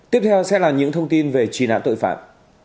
tiếp theo sẽ là những thông tin về truy nã tội phạm